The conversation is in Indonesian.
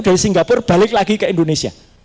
dari singapura balik lagi ke indonesia